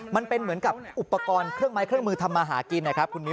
มันเป็นเหมือนกับอุปกรณ์เครื่องไม้เครื่องมือทำมาหากินนะครับคุณมิ้น